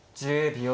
１０秒。